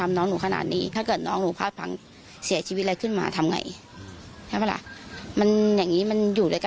มันจะอยู่ในความหวาดระแวงแล้วตอนเนี่ย